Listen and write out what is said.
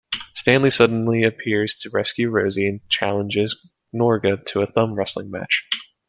Stanley suddenly appears to rescue Rosie and challenges Gnorga to a thumb-wrestling match.